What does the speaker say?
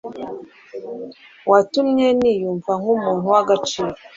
Watumye niyumva nk’umuntu w’agaciro